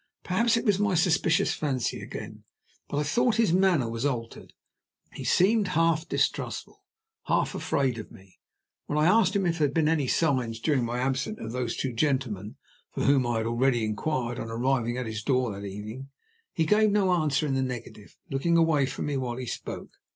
Perhaps it was my suspicious fancy again; but I thought his manner was altered. He seemed half distrustful, half afraid of me, when I asked him if there had been any signs, during my absence, of those two gentlemen, for whom I had already inquired on arriving at his door that evening. He gave an answer in the negative, looking away from me while he spoke.